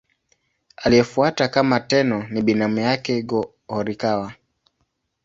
Aliyemfuata kama Tenno ni binamu yake Go-Horikawa.